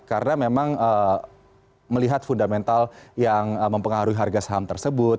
karena memang melihat fundamental yang mempengaruhi harga saham tersebut